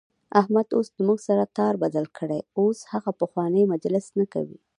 احمد اوس له موږ سره تار بدل کړی، اوس هغه پخوانی مجلس نه کوي.